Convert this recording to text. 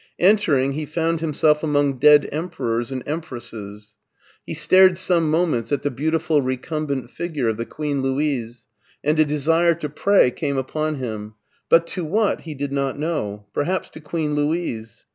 Entering, he found himself among dead Emperors and Em presses. He stared some moments at the beautiful recumbent figure of the Queen Louise, and a desire to pray came upon him, but to what he did not know: perhaps to Queen Louise.